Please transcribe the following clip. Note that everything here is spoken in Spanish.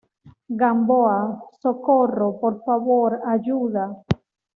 ¡ Gamboa! ¡ socorro! ¡ por favor, ayuda!